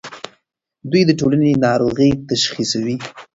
دوی د ټولنې ناروغۍ تشخیصوي.